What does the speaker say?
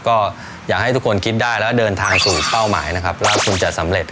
ก็อยากให้ทุกคนคิดได้แล้วเดินทางสู่เป้าหมายนะครับว่าคงจะสำเร็จ